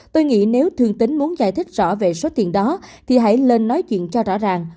tôi nghĩ nếu thường tính muốn giải thích rõ về số tiền đó thì hãy lên nói chuyện cho rõ ràng